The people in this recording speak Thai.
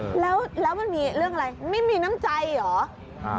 แล้วแล้วมันมีเรื่องอะไรไม่มีน้ำใจเหรอ